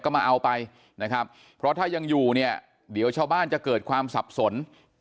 ก็มาเอาไปนะครับเพราะถ้ายังอยู่เนี่ยเดี๋ยวชาวบ้านจะเกิดความสับสน